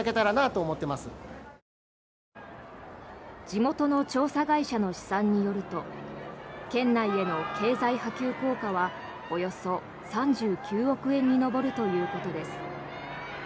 地元の調査会社の試算によると県内への経済波及効果はおよそ３９億円に上るということです。